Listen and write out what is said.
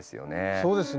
そうですね。